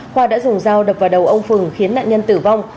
khoa đã dùng dao đập vào đầu ông phừng khiến nạn nhân tử vong